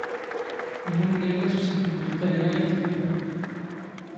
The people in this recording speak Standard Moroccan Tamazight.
ⵉⵡⵉⵏ ⵍⴰⵢⵍⴰ ⵙ ⵓⵙⴳⵏⴰⴼ ⴳ ⵍⵇⴰⵀⵉⵔⴰ ⴰⴷ ⵜⴻⵜⵜⴳⵏⴼⴰ.